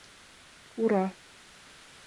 — Ура!..